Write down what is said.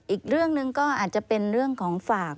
อีกเรื่องหนึ่งก็อาจจะเป็นเรื่องของฝาก